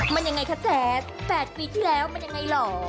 มันอย่างไรคะแจ๊สแปดปีที่แล้วมันอย่างไรเหรอ